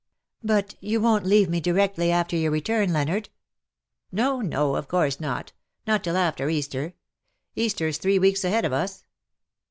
''''*' But you won^t leave me directly after your return, Leonard?^' *' No, no, of course not. Not till after Easter. Easter's three weeks ahead of us.